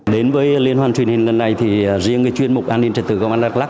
đến với liên hoàn truyền hình lần này thì riêng chuyên mục an ninh trật tự công an đắk lắc